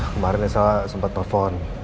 kemarin esa sempat telepon